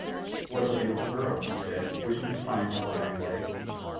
"What a beautiful girl," he said, wishing to find out how the land lay.